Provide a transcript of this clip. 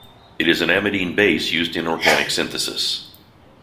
It is an amidine base used in organic synthesis.